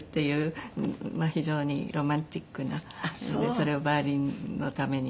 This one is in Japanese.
それをヴァイオリンのために。